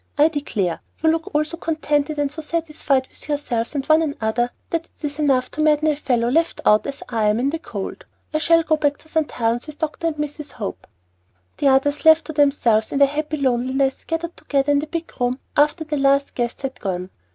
"I declare, you all look so contented and so satisfied with yourselves and one another, that it's enough to madden a fellow, left out, as I am, in the cold! I shall go back to St. Helen's with Dr. and Mrs. Hope." The others, left to themselves in their happy loneliness, gathered together in the big room after the last guest had gone.